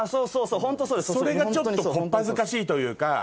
それがちょっと小っ恥ずかしいというか。